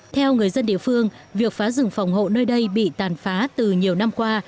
theo người dân địa phương việc phá rừng phòng hộ nơi đây bị tàn phá từ nhiều năm qua